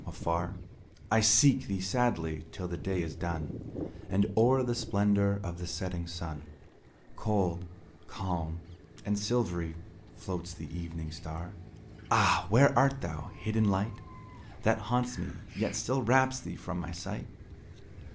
Afar I seek thee sadly, till the day is done, And o'er the splendour of the setting sun, Cold, calm, and silvery, floats the evening star; Where art thou? Ah! where art thou, hid in light That haunts me, yet still wraps thee from my sight?